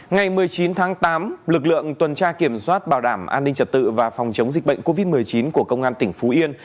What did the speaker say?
ngày một mươi chín tháng tám lực lượng tuần tra kiểm soát bảo đảm an ninh trật tự và phòng chống dịch bệnh covid một mươi chín của công an tỉnh phú yên